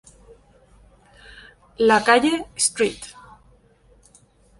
La calle St.